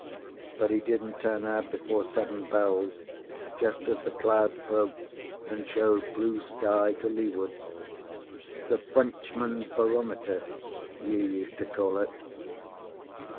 But he didn't turn out before seven bells, just as the clouds broke and showed blue sky to leeward "the Frenchman's barometer," you used to call it.